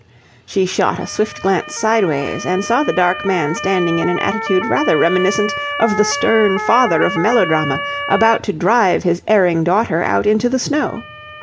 She shot a swift glance sideways, and saw the dark man standing in an attitude rather reminiscent of the stern father of melodrama about to drive his erring daughter out into the snow.